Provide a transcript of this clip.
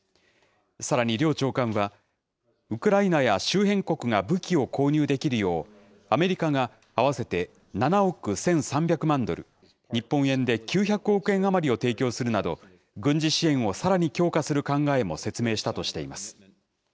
さらに、両長官は、ウクライナや周辺国が武器を購入できるよう、アメリカが合わせて７億１３００万ドル、日本円で９００億円余りを提供するなど、軍事支援をさらに強化する考えも説明したとしています。